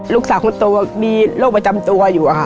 ลูกสาวของตัวมีโรคประจำตัวอยู่